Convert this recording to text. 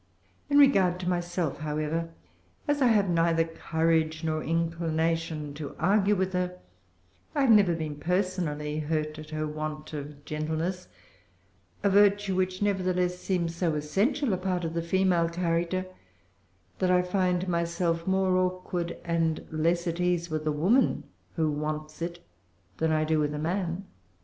In regard to myself, however, as I have neither courage nor inclination to argue with her, I have never been personally hurt at her want of gentleness, a virtue which nevertheless seems so essential a part of the female character, that I find myself more awkward and less at ease with a woman who wants it than I do with a man."